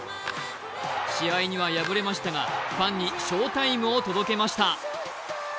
試合には敗れましたが、ファンに翔タイムを届けました。